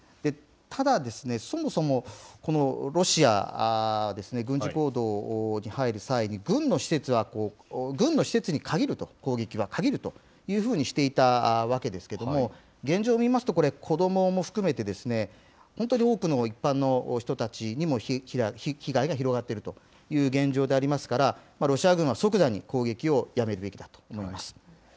ただ、そもそもロシアですね、軍事行動に入る際に、軍の施設は、軍の施設に限ると、攻撃は限るというふうにしていたわけですけれども、現状を見ますと、これ、子どもも含めて、本当に多くの一般の人たちにも被害が広がっているという現状でありますから、ロシア軍は即座に攻撃をやめるべきだと思います。